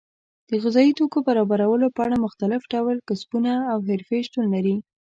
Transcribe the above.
د غذایي توکو برابرولو په اړه مختلف ډول کسبونه او حرفې شتون لري.